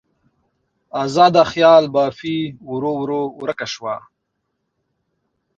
ازاده خیال بافي ورو ورو ورکه شوه.